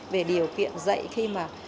về điều kiện dạy khi mà